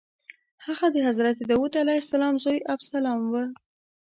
هغه د حضرت داود علیه السلام زوی ابسلام و.